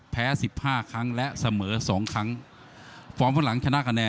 แพ้๑๕ครั้ง